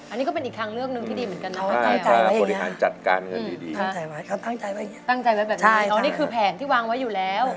อันนี้ก็เป็นอีกครั้งเรื่องหนึ่งที่ดีเหมือนกันนะว่าแก